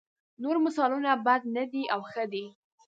نور مثالونه بد نه دي او ښه دي.